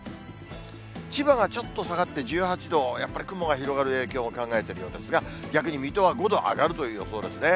千葉がちょっと下がって１８度、やっぱり雲が広がる影響も考えているようですが、逆に水戸は５度上がるという予想ですね。